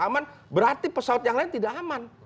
aman berarti pesawat yang lain tidak aman